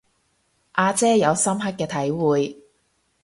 阿姐有深刻嘅體會